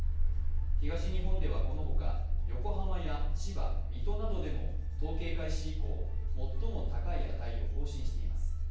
東日本ではこのほか、横浜や千葉、水戸などでも統計開始以降最も高い値を更新しています。